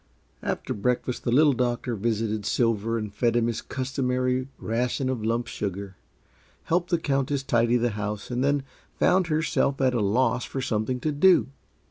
After breakfast the Little Doctor visited Silver and fed him his customary ration of lump sugar, helped the Countess tidy the house, and then found herself at a loss for something to do.